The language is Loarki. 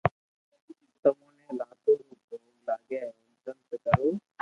تمو ني لادو رو ڀوگ لاگي ھين سنت ڪرو